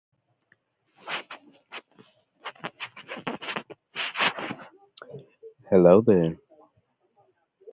The BaBar detector is a multilayer particle detector.